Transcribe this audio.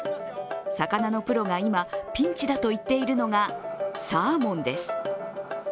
魚のプロが今、ピンチだと言っているのがサーモンです。